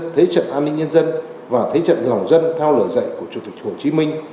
thế trận an ninh nhân dân và thế trận lòng dân theo lời dạy của chủ tịch hồ chí minh